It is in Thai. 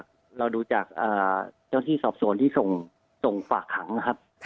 เราดูจากเจ้าที่สอบสวนที่ส่งฝากขังนะครับ